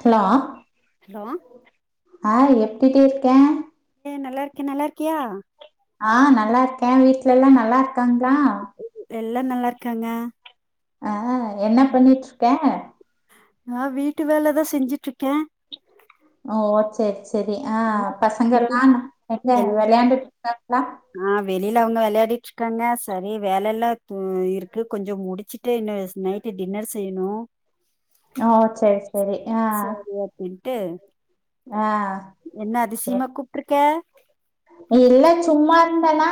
Hello hello ஆ எப்டி இருக்கேன் நா நல்லா இருக்கே நீ நல்லா இருக்கியா ஆ நல்லா இருக்கேன் வீட்ல எல்லாம் நல்லா இருக்காங்களா எல்லா நல்லா இருக்காங்க ஆ என்ன பண்ணிட்டு இருக்கே நான் வீட்டு வேலைதான் செஞ்சிட்டு இருக்கேன் ஓ சரி சரி சரி ஆ பசங்க எல்லாம் விளயாண்டுட்டு இருக்காங்களா இல்ல அவங்க விளையாடிட்டு இருக்காங்க சரி வேலை எல்லாம் இருக்கு கொஞ்சம் முடிச்சுட்டு இன்னும் நைய்டு டின்னர் செய்யணும் அ செரி சரி சரி ஆ எட்டு ஆ என்ன எ- அதிசயமா கூப்பிட்டுருக்க இல்ல சும்மா இருந்தன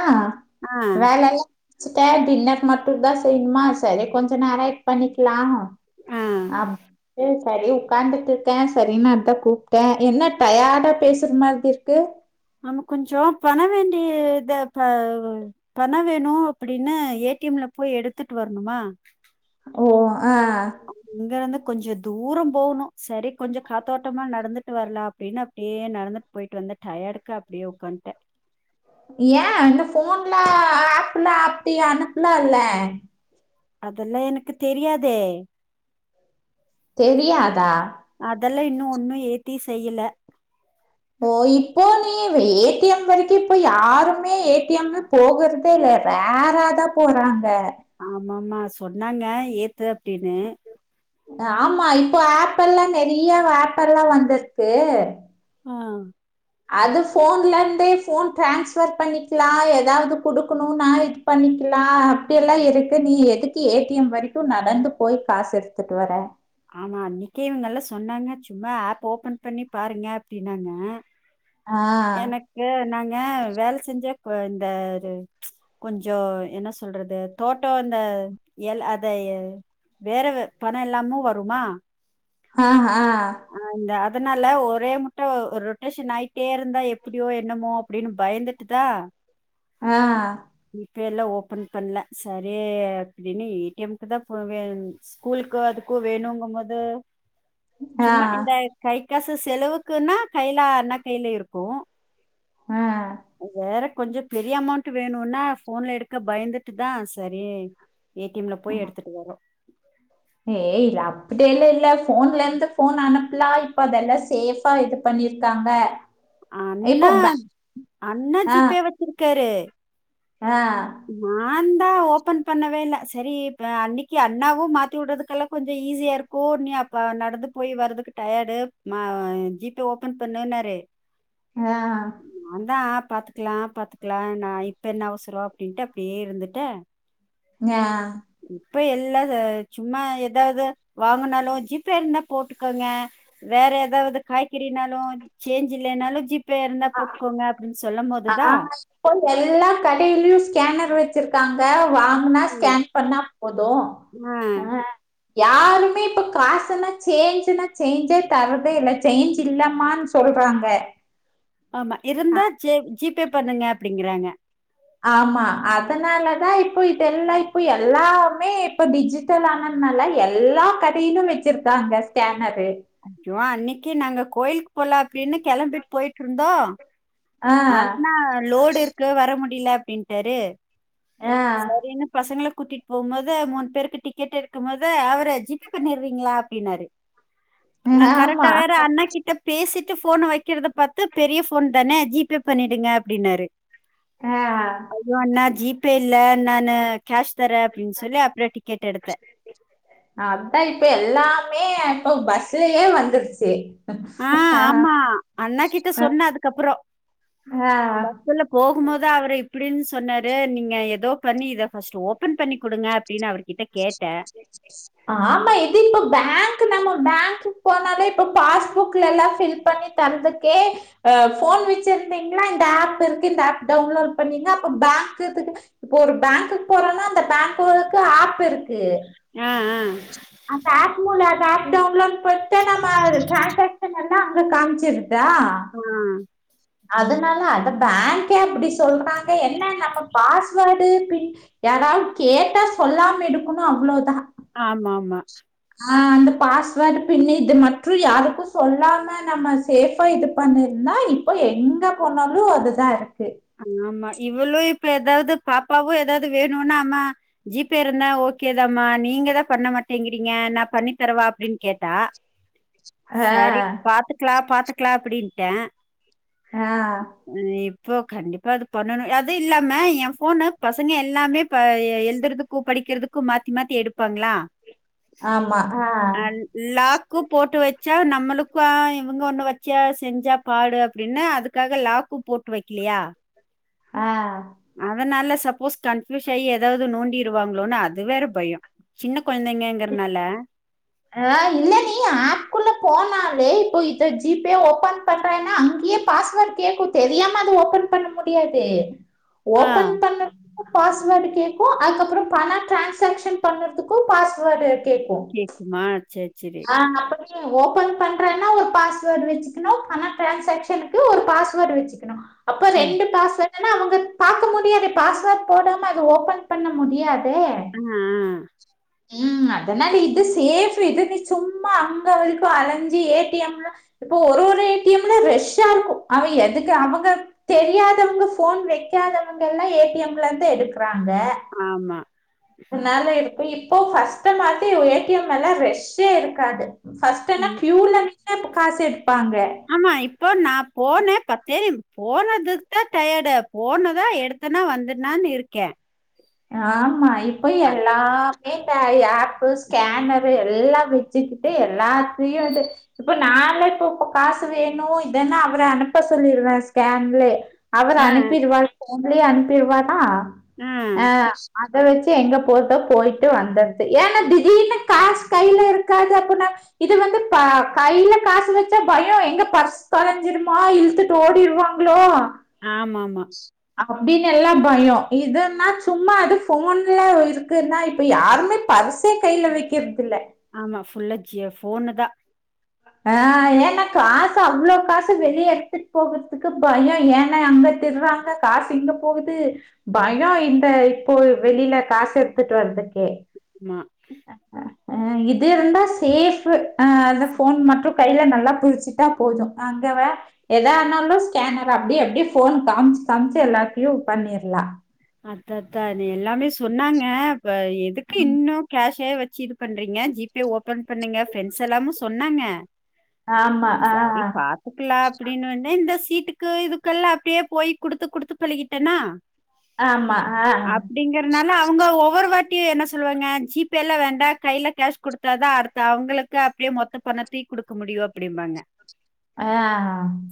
ஆ வேலயில்லா சிக்க டின்னர் மட்டும்தான் செய்யணுமா சரி கொஞ்சம் நேரம் பண்ணிக்கலாம் ஆ அப்படின்னு சரி உட்கார்ந்துட்டு இருக்கேன் சரின்னு அதான் கூப்பிட்டேன் என்ன டயாடா பேசுற மாதிரி இருக்கு ஆமா கொஞ்சம் பண வேணும் பண வேணும் அப்படின்னு ஏடிஎம்ல போய் எடுத்துட்டு வரணுமா ஓ ஆ இங்க இருந்து கொஞ்சம் தூரம் போகணும் சரி கொஞ்சம் காத்தோட்டமா நடந்துட்டு வரலாம் அப்படின்னு அப்படியே நடந்துட்டு போயிட்டு வந்தன் டயடுக்க அப்படியே உட்காந்துட்டன் ஏன் இந்த போன்ல ஆப்லாம் அப்டி அனுப்பலாம் இல்ல அதெல்லாம் எனக்கு தெரியாதே தெரியாதா அதெல்லாம் இன்னும் ஒன்னும் ஏத்தி செய்யல ஓ இப்போ நீ ஏடிஎம் வரைக்கும் இப்போ யாருமே ஏடிஎம் போகுறதே இல்ல வேற தான் போறாங்க ஆமமா சொன்னாங்க ஏ அது அப்படின்னு ஆமா இப்போ ஆப்பெல்லாம் நிறைய ஆப்பெல்லாம் வந்திருக்கு ஆம் அது போன்ல இருந்தே போன் டிரான்ஸ்பர் பண்ணிக்கலாம் ஏதாவது குடுக்கணும் நான் இது பண்ணிக்கலாம் அப்படிய எல்லாம் இருக்கு நீ எதுக்கு ஏடிஎம் வரைக்கும் நடந்து போய் காசு எடுத்துட்டு வர ஆமா அன்னைக்கு இவங்க எல்லாம் சொன்னாங்க சும்மா ஆப் ஓபன் பண்ணி பாருங்க அப்படினாங்க ஆ எனக்கு நாங்க வேலை செஞ்ச இந்த ஒரு கொஞ்சோ என்ன சொல்றது தோட்டோ இந்த எல் அத வேற பணம் இல்லாமா வருமா ஆஹ் அஹ் ஆ இந்த அதனால ஒரே முட்ட ரொட்டேஷன் ஆயிட்டே இருந்தா எப்டியோ என்னமோ அப்டின்னு பயந்துட்டுதான் ஆஹ் ஜி பேலா ஓபன் பண்ண சரி அப்டின்னு ஏ டி எம்குதா போவே ஸ்கூலுக்கோ அதுக்கோ வேணோம்கபோது சும்மா ஆ இந்த கை காசு செலவுக்குன்னா கைல அண்ணா கைல இருக்கு ஹ வேற கொஞ்சோ பெரிய அமௌண்ட் வேணுன்னா ஃபோன்ல எடுக்க பயந்துட்டுதா சரி ஏ டி எம்ல போய் ஆஹா. எடுத்துட்டு வரோ ஏய் இல்ல அப்டியெல்லா இல்ல போன்ல இருந்து போன் அனுப்புலா இப்ப அதெல்லா சேஃபா இது பண்ணிருக்காங்க இப்போ அண்ணா ப- அண்ணா ஜி பே வெச்சிருக்காரு ஆஹ் அந்தா ஓபன் பண்ணவே இல்ல செரி இப்ப அன்னிக்கு அண்ணாவோ மாத்தி விடுறதுக்கெல்லா கொஞ்சோ ஈஸியாயிருக்கோ நீ அப்ப நடந்து போய் வர்றதுக்கு டயர்டு ஜி பே ஓபன் பண்ணுன்னாரு ஆஹ் ஆஹ் பாத்துக்கலா பாத்துக்கலா நா இப்ப என்ன அவசரோம் அப்டின்டு அப்டியேயிருந்துட்டு ஞா இப்பயெல்லா சும்மா எதாவது வாங்குனாலோ ஜி பே இருந்தா போட்டுக்கோங்க வேற எதாவது காய்கறினாலோ சேஞ்சு இல்லைனாலோ ஜி ஆ ஆ இப்ப எல்லா கடையிலயு ஸ்கேனர் வச் வெச்சிருக்காங்க இப்ப வாங்குனா ஸ்கேன் பண்ணா போது ஆ யாருமே இப்ப காசல்லாம் சேஞ்சுன்னா சேஞ்சே தரதேயில்ல சேஞ்ச் இல்லமான்னு சொல்றாங்க ஆமா இருந்தா ஜெ ஜி பே பண்ணுங்க அப்டிங்குறாங்க ஆமா அதனாலதா இப்போ இதெல்லா இப்ப எல்லாமே இப்ப டிஜிட்டல் ஆனதுனால எல்லா கடையிலு வெச்சிருக்காங்க ஸ்கேனர் அச்சோ அன்னிக்கு நாங்க கோயில் போலா அப்டின்னு கெளம்பிட்டு போயிட்டுயிருந்தோம் ஆ, அண்ணா லோடு இருக்கு வர முடி இல்ல அப்டின்ட்டாரு ஆ, செரிங்க பசங்கள கூட்டிட்டு போம்போது மூணு பேருக்கு டிக்கெட் எடுக்கும்போது அவரு ஜி பே பண்ணிர்றீங்களா அப்டின்னாரு நா கரெக்டா ஆமா. வேற அண்ணா கிட்ட பேசிட்டு போன வெக்குறத பார்த்து பெரிய போன் தானே ஜி பே பண்ணிடுங்க அப்டின்னாரு ஆ. ஐயோ அண்ணா ஜி பே இப்ப இல்ல நா நானு கேஷ் தரேன் அப்படின்னு சொல்லி அப்புறம் டிக்கெட் எடுத்தேன். அதான் இப்ப எல்லாமே இப்ப பஸ் லயே வந்துருச்சு ஆஹ் ஆ, ஆமா அண்ணா கிட்ட அ, சொன்ன அதுக்கப்புறோ ஆ. பஸ்ல போகும் போது அவர இப்டின்னு சொன்னாரு நீங்க ஏதோ பண்ணி இத ஃபர்ஸ்ட் ஓபன் பண்ணி கொடுங்க அப்டின்னு அவரு ஆமா இது இப்ப பேங்க் கு நம்ம பேங்கு போனாலே இப்ப பாஸ்புக் எல்லா பில் பண்ணி தந்துக்கே ஹ போன் வச்சிருந்தீங்களா இந்த ஆப் இருக்கு இந்த ஆப் டவுன்லோட் பண்ணீங்க அப்போ பேங்க் ஒரு பேங்க்க்கு போறோனா பேங்க்க்கு ஆப் இருக்கு ஆ ஆ அந்த ஆப் மூல அந்த ஆப் டவுன்லோட் குத்தா நம்ம ட்ரான்ஸாக்ஷன் நடக் நா காம்ச்சிருதா ஆ அதனால அந்த பேங்கே அப்டி சொல்றாங்க என்ன நம்ம பாஸ்வேர்டு பின் யாராவது கேட்டா சொல்லாம எடுக்கணு அவ்ளோதான் ஆமா ஆமா ஆ அந்த பாஸ்வேர்டு பின் இது மட்டு யாருக்கு சொல்லாம நம்ம சேஃபா இது பண்ணிருந்தா இப்போ எங்க போனாலு அதுதா இருக்கு ஆமா இவளு இப்ப ஏதாவது பாப்பாவும் ஏதாவது வேணுன்னா அம்மா ஜிபே இருந்தா ஓகே தாமா நீங்க தா பண்ண மாட்டேங்கிறீங்க நான பண்ணி தரவா அப்டின்னு கேட்டா ஆ, சரி பாத்துக்கலா பாத்துக்கலா அப்டின்ட்டே ஆஹ் இப்போ கண்டிப்பா அது பண்ணணு அது இல்லாம ஏன் ஃபோன பசங்க எல்லாமே ப எழுதுறதுக்கு படிக்கிறதுக்கு மாத்தி மாத்தி எடுப்பாங்களா ஆமா ஆ, அஹ் லாக்கு போட்டு வச் வச்சா நம்மளுக்கு இவுங்க ஒண்ணு வச்சா செஞ்சா பாடு அப்டின்னு அதுக்காக லாக்கு போட்டு வை க்கிலியா ஆ. அதனால சொ சப்போஸ் கன்ஃப்யூஸ் ஆயி ஏதாவது நோண்டிருவாங்களோன்னு அது வேற பயோம் சின்ன கெழந்தைங்கங்கறனால ஆ இல்ல நீ ஆப்க்குள்ள போனாலே இப்போ இத ஜிபே ஓபன் பண்றேன்னா அங்கயே பாஸ்வேர்ட் கேக்கு தெரியாம அதை ஓபன் பண்ண முடியாது ஆ ஓபன் பண்ண பாஸ்வேர்டு கேக்கு அதுக்கப்புற பண டிரான்சாக்க்ஷன் பண்றதுக்கு பாஸ்வேர்டு கேக்கு கேக்குமா சேரி சேரி ஆஹ் [unintelligible] [unintelligible] ஓபன் பண்றேன்னா ஒரு பாஸ்வேர்ட் வச்சுக்கணு பண டிரான்ஸாக்ஷனுக்கு ஒரு பாஸ்வேர்ட் வச்சுக்கணு அப்போ ம் ரெண்டு பாஸ்வேர்ட் ஏன்னா அவுங்க பாக்க முடியாது பாஸ்வேர்ட் போடாம அது ஓபன் பண்ண முடியாது ஆ ஆ ம் அதனால இது சேஃப் இது சும்மா அங்க வரைக்கும் அலைஞ்சி ஏடிஎம்ல இப்போ ஒரு ஒரு ஏடிஎம்ல ரெஷ்ஷா இருக்கும் அவன் எதுக்கு அவுங்க தெரியாதவங்க போன் வைக்காதவங்க எல்லாம் ஏடிஎம்ல இருந்து எடுக்கறாங்க ஆ ஆமா த அ இத்தநாளு இருக்க இப்போ இப்போ பர்ஸ்ட்டு மாத்தி ஒரு ஏடிஎம்ல்லாம் ரெஷ் சே இருக்காது பஸ்ட் என்ன கியூல நின்னுகாசு எடுப்பாங்க ஆமா இப்போ நா போனே பத்தே நிம் போனதுக்கு தான் டயர்டு போனதா எடுத்துனா வந்தனான்னு இருக்கேன் ஆ்ம்மா இ இப்ப எல்லாம் நீ தயா ப் அ ஸ்கேனரு எல்லாம் வச்சுக்கிட்டு எல்லாத் வந்து இப்ப நான் இப்ப காசு வேணும் இதன்னா அவற அனுப்ப சொல்லிடுறேன் ஸ்கேன்லயே அவர் ஆ அனுப்பிருவா உங்களே அனுப்பிடுவாதான் உம் அத வச்சு எங்க போட்டோ போயிட்டு வந்தடுது ஏன்னா திிடீனுு காசு கையில இருக்காது அப்படின்னா இது வந்து ப கையில காசு வச்சா பயம் எங்க பர்ஸ்ு தொலைஞ்சிருமோ இழுத்துட்டு ஓடிருவாங்களோ ஆமமா அப்டின்னு எல்லாம் பயம் இதுன்னா சும்மா அது போன்ல இருக்குன்னா இப்ப யாருமே பர்சே கையில வைக்கிறது இல்ல ஆமா ஃபுல்லா ஜியோ ஃபோன்னு தான் ஆஹ் ஏன்னா காசு அவ்வளவு காசு வெளிய எடுத்துட்டு போகுறதுக்கு பயம் ஏன்னா அங்க திருறாங்க காசு இங்க போகுது பயம் இந்த இப்போ வெளியில காசு எடுத்துட்டு வர்றதுக்கே ஆமா ஆஹ ஆஹ் இது இருந்தா சேஃப்பு அது போன் மட்டும் கையில நல்லா புிடிச்சுட்டா போதும் அங்கவே எதாயிருந்தாலும் ஸ்கேனர் அப்படி அப்படி போன் காமிச்சு காமிச்சு எல்லாருத்தையும் பண்ணிடலாம் அத்தத்த எல்லாமே சொன்னாங்க ப எதுக்கு இன்னும் கேஷ் வச்சு இது பண்றீங்க ஜிபே ஓபன் பண்ணுங்க பிரண்ட்ஸ் எல்லாமும் சொன்னாங்க ஆமா சரி ஆஹ் பாத்துக்கலாம் அப்படின்னு வந் தெ சீட்டுக்கு இதுக்கெல்லாம் அப்படியே போய் குடுத்து குடுத்து பழிக்கிட்டேனா ஆமா. ஆ, அப்படிங்கறனால அவங்க ஒவ்வொருவாட்டி என்ன சொல்லுவாங்க ஜிபேல வேண்டா கையில கேஷ் குடுத்தாதான் அடுத்து அவுங்களுக்கு அப்படியே மொத்த பணத்தையும் குடுக்க முடியும் அப்படிம்பாங்க ஆ.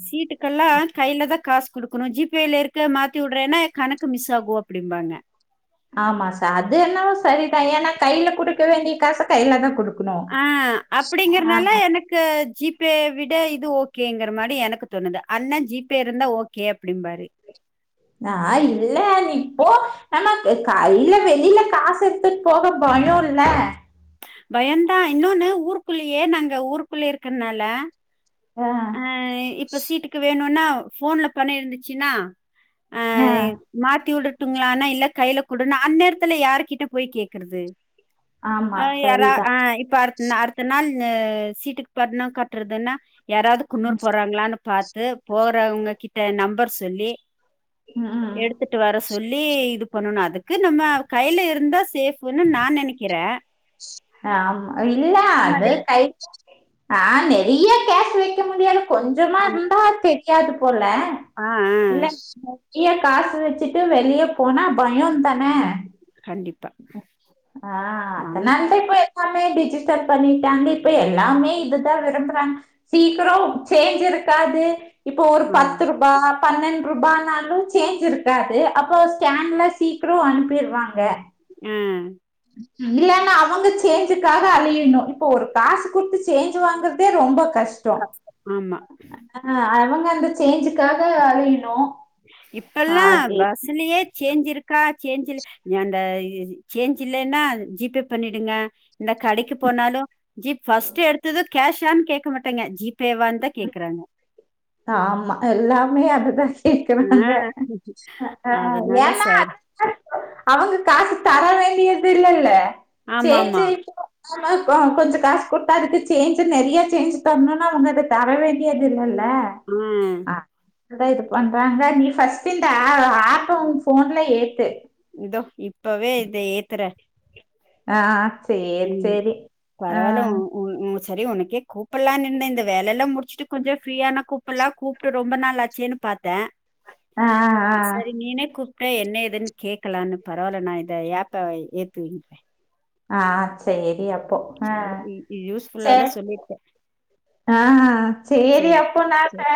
சீட்டுக்கெல்லாம் கையில தான் காசு குடுக்கணும் ஜிபே ல இருக்க மாத்தி விடுறேன்னா கணக்கு எதுக்கு மிஸ் ஆகும் அப்படிம்பாங்க ஆமா சார் அது என்னவோ சரிதான் ஏன்னா கையில கொடுக்க வேண்டிய காச கையில தான் குடுக்க அஹ் அப்படிங்கறனால எனக்கு ஜிப் பே விட இது ஓகேங்கிற மாதிரி எனக்கு தோணுது அண்ணா ஜிபே இருந்தா ஓகே அப்படிம்பாரு. நா இல்ல இப்போ ஆமா கையில வெளில காசு எடுத்துட்டு போக பயம் இல்ல பயதான் இன்னொன்னு ஊருக்குள்ளயே நாங்க ஊருக்குள்ள இருக்கனால ஆ இப்ப சீட்டுக்கு வேணும்னா போன்ல பணம் இருந்துச்சுன்னா ஆ மாத்தி விட்டு ட்டுங்களானா இல்ல கையில கூடுனா அந்த இடத்துல யார்கிட்ட போய் கேக்கறது ஆமா ஹ யாரா ஹ சரிதான். இப்ப அடுத்த அடுத்த நாள் சீட்டுக்கு பணம் கட்டுறதுன்னா யாராவது ம், குன்னூர் போறாங்களான்னு பாத்து போறவங்க கி நம்பர் சொல்லி ம். எடுத்துட்டு வர சொல்லி இது பண்ணனும் அதுக்கு நம்ம கையில இருந்தா சேப் ஹா மா இல்ல அந்த அது மாதிரி கை ஆ நெறைய கேஸ் வைக்க முடியாது கொஞ்சம ஆமா இருந்தா தெ யாது போல ஆ ஆ இல்ல [inaudible] காசு வச்சுட்டு வெளிய போனா பயம் தானே கண்டிப்பா ஆ [unintelligible] நானும் எல்லாமே டிஜிட்டல் பண்ணிட்டாங்க இப்ப எல்லாமே இதுதான் விரும்புறாங்க சீக்கிரம் சேஞ்ச் இருக்காது இப்போ ஒரு ஆமா. பத்து ரூபா பன்னண்டு ரூபானாலும் சேஞ்ச் இருக்காது அப்பறம் ஸ்கேன்லாம் சீக்கிரம் அனுப்பிடுவாங்க அ இல்லனா அவுங்க சேஞ்சுக்காக அலயினும் ஒரு காசு கொடுத்து சேஞ்ச் வாங்குறதே ரொம்ப கஷ்டம் ஆஆ அவுங்க அந்த சேஞ்சுக்காக அலயினும் இப்பயெல்லாம் பஸ்ஸலியே சேஞ்ச் இருக்கா சேஞ்ச் இல் அந்த சேஞ்ச் இல்லன்னா ஜிபே பண்ணிடுங்க இந்த கடைக்கு போனாலும் ஜி பர்ஸ்ட் எடுத்தது கேஷ் ஆன்னு கேட்க மாட்டேங்க ஜி பேவா தான் த கேக்குறாங்க ஆமா எல்லாமே அதுதான் ஆ, இருக்கிறாங்வக அதனால ஏன்னா சார் அவங்க காசு தரவே ரியது துல்லல்ல ஆமா சேரி ஆமா சேரிப்ப ஆமா கொஞ்சம் காசு கொடுத்தா அதுக்கு சேஞ்சு நெறைய சேஞ்ச் தருண்னா அவுங்க அத தர வேண்டியது இல்லல்ல ம் அதான் இது பண்றாங்க நீ ஃபர்ஸ்ட் இந்த ஆப்ப உங்க போன்ல ஏத்து இதோ இப்பவே இத ஏதுரேன் ஆஹ சேரி சேரி ஆ செரி உனக்கே கூப்பாலானு இருந்தேன் இந்த வேலலா முடிச்சுட்டு கொஞ்சம் ஃப்ரீயான கூப்பலா கூப்ட்டு ரொம்ப நாள் ஆச்சேன்னு பாத்தேன் ஆஹ் ஆஹ் ஆஹ் ஆஹ் கூப்பிட்ட என்ன ஏதுன்னு கேக்கலாம்னு பரவாயில்ல நான இத ஏப்ப ஏத்துவிங்கிறேன் ஆ ஆ சேரி அப்போ ஆஹ் சரி யூஸ்ஃபுல்லா சேரி தான் சொல்லியிருக்கேன் ஆஹ்ஹ சேரி சரி அப்போ நான் சரி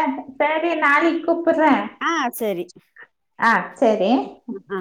நாளைக்குதகூப் கூப்புறேன் ஆ சரி ஆஹ் சேரி ஆ